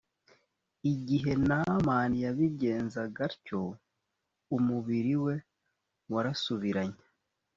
igihe naamani yabigenzaga atyo umubiri we warasubiranye